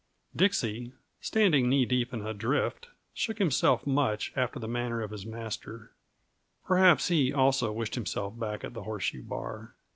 Dixie, standing knee deep in a drift, shook himself much after the manner of his master; perhaps he, also, wished himself back at the Horseshoe Bar.